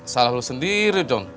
salah lo sendiri don